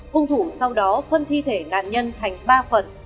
hung thủ sau đó phân thi thể nạn nhân thành ba phần